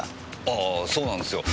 ああそうなんですよ。